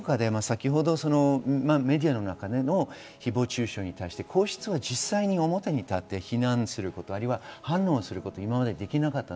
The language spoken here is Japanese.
メディアの中での誹謗中傷に対して皇室は表に立って非難すること、反論することは今までできなかった。